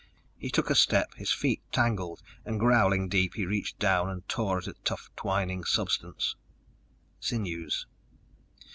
He took a step, his feet tangled, and growling deep he reached down and tore at a tough twining substance. Sinews.